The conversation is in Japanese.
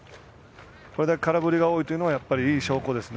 これだけ空振りが多いというのはやっぱりいい証拠ですね。